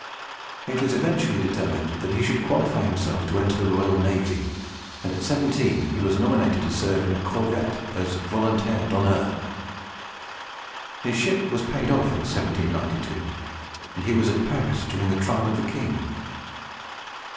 It was eventually determined that he should qualify himself to enter the royal navy, and at seventeen he was nominated to serve in a corvette as "volontaire d'honneur." His ship was paid off in 1792, and he was at Paris during the trial of the King.